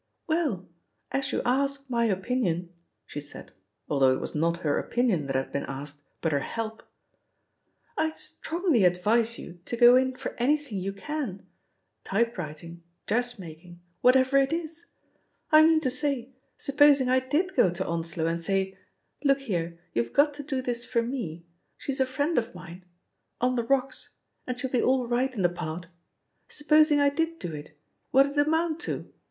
"Well, as you ask my opinion," she said, al though it was not her opinion that had been asked, but her help, "I'd strongly advise you to go in for anything you can — ^typewriting, dressmak ing, whatever it is I I mean to say, supposing I did go to Onslow and say, *Look here, youVe got to do this for me, she's a friend of mine — on the rocks — and she'll be all right in the part,* sup posing I did do it, what*d it amount to?